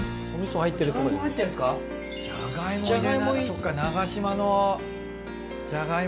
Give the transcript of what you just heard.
そっか長島のじゃがいもだ。